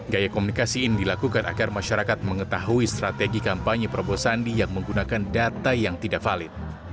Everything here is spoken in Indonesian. gaya komunikasi ini dilakukan agar masyarakat mengetahui strategi kampanye prabowo sandi yang menggunakan data yang tidak valid